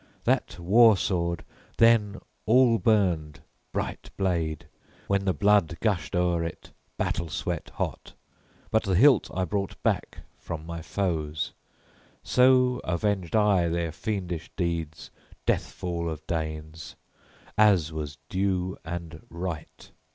That war sword then all burned, bright blade, when the blood gushed o'er it, battle sweat hot; but the hilt I brought back from my foes. So avenged I their fiendish deeds death fall of Danes, as was due and right.